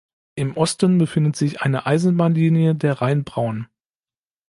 Im Osten befindet sich eine Eisenbahnlinie der Rheinbraun.